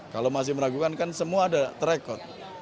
kalau masih meragukan kan semua ada terekor